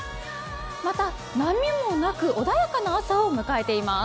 また、波もなく穏やかな朝を迎えています。